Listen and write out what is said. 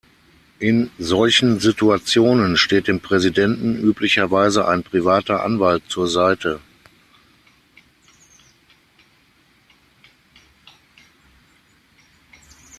In solchen Situationen steht dem Präsidenten üblicherweise ein privater Anwalt zur Seite.